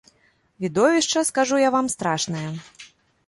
Відовішча, скажу я вам, страшнае.